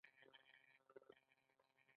افغانستان د فاریاب کوربه دی.